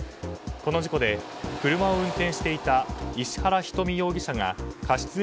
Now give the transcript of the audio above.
この事故で車を運転していた石原瞳容疑者が過失